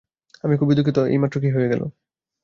আমি খুবই দুঃখিত এইমাত্র কি হয়ে গেল?